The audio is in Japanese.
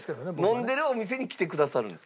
飲んでるお店に来てくださるんですか？